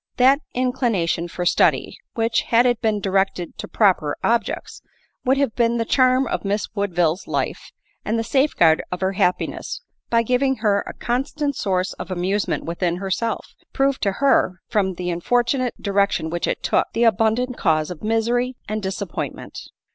that inclination for study, which, had it been directed to proper objects, would have been the charm of Miss Woodville's, life and the safeguard of her happiness, by giving her a constant source of amusement within herself, proved to her, from the unfortunate direc tion which it took, the abundant cause of misery and dis appointment.